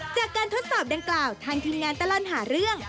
ทดสอบดังกล่าวทางทีมงานตลอดหาเรื่อง